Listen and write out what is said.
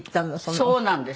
そうなんです。